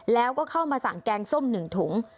แล้วก็เข้ามาสั่งแกงส้ม๑ถุง